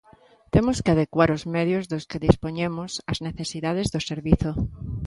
Temos que adecuar os medios dos que dispoñemos ás necesidades do servizo.